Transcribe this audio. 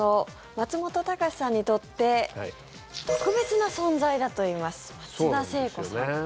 松本隆さんにとって特別な存在だといいますそうなんですよね。